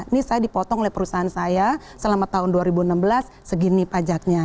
ini saya dipotong oleh perusahaan saya selama tahun dua ribu enam belas segini pajaknya